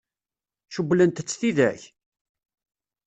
Cewwlent-tt tidak?